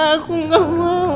aku gak mau